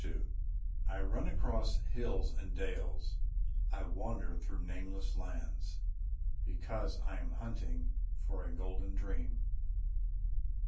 II I run across hills and dales, I wander through nameless lands ... because I am hunting for a golden dream.